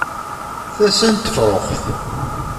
Tasa n tefruxt.